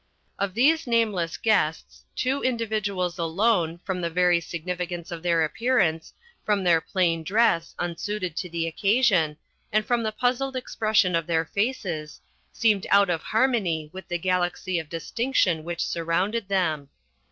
Of these nameless guests, two individuals alone, from the very significance of their appearance, from their plain dress, unsuited to the occasion, and from the puzzled expression of their faces, seemed out of harmony with the galaxy of distinction which surrounded them.